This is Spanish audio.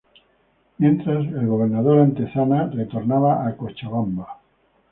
Mientras, el gobernador Antezana retornaba a Cochabamba.